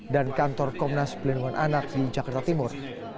dan kantor komnas pelindungan anak di jakarta timur